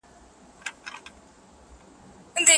عمر د غلام دغه لوړ همت ته ډېر حیران شو.